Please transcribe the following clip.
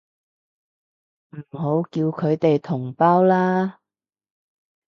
唔好叫佢哋同胞啦